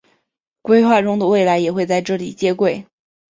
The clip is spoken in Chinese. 规划中的未来也会在这里接轨。